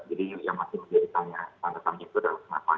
jadi yang masih menjadi tanya tanpa tanya itu kenapa